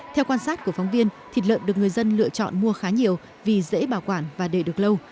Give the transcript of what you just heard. theo quan sát của phóng viên thịt lợn được người dân lựa chọn mua khá nhiều vì dễ bảo quản và để được lâu